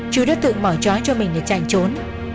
chứ đã tự mở trói cho mình để chạy trốn